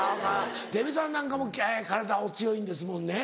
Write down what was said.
デヴィさんなんかも体お強いんですもんね。